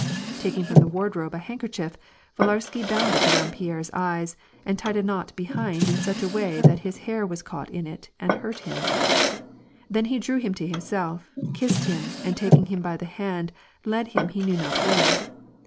Taking from the wardrobe a handkerchief, Villarsky bound it around Pierre's eyes and tied a knot behind in such a way that his hair was caught in it and hurt him. Then he drew him to himself, kissed him, and taking him by the hand led him he knew not where.